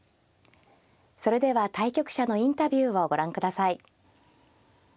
それでは対局者のインタビューをご覧ください。